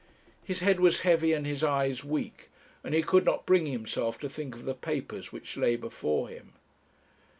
His head was heavy and his eyes weak, and he could not bring himself to think of the papers which lay before him.